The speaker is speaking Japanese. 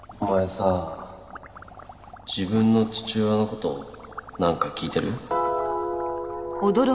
お前さ自分の父親の事なんか聞いてる？